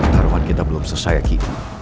taruhan kita belum selesai kini